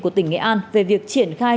của tỉnh nghệ an về việc triển khai